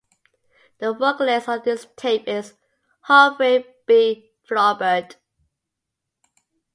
The vocalist on this tape is Humphrey B. Flaubert.